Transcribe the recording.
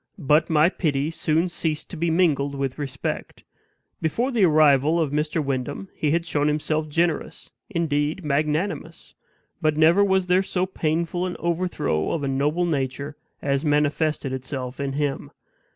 But my pity soon ceased to be mingled with respect. Before the arrival of Mr. Wyndham he had shown himself generous, indeed magnanimous. But never was there so painful an overthrow of a noble nature as manifested itself in him.